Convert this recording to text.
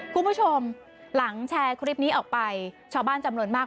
คุณผู้ชมหลังแชร์คลิปนี้ออกไปชาวบ้านจำนวนมาก